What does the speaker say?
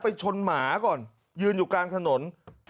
ชนหมาก่อนยืนอยู่กลางถนน